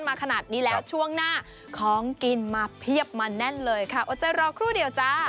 โปรดติดตามตอนต่อไป